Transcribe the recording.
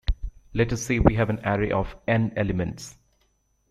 Let us say we have an array of n elements.